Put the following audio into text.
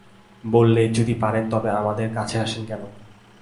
বললে, যদি পারেন তবে আমাদের কাছে আসেন কেন?